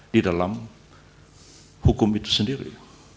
di dalam hukum itu sendiri